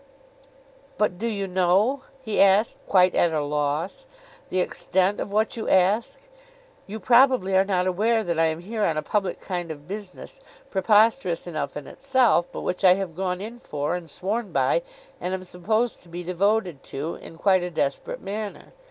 'But do you know,' he asked, quite at a loss, 'the extent of what you ask? You probably are not aware that I am here on a public kind of business, preposterous enough in itself, but which I have gone in for, and sworn by, and am supposed to be devoted to in quite a desperate manner?